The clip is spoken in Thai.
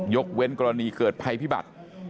กเว้นกรณีเกิดภัยพิบัติ